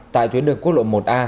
tại tuyến đường quốc lộ một a